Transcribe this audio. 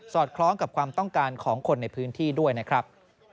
คล้องกับความต้องการของคนในพื้นที่ด้วยนะครับ